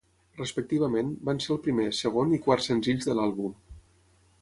Respectivament, van ser el primer, segon i quart senzills de l'àlbum.